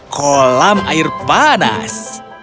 kolam air panas